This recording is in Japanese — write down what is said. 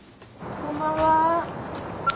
こんばんは。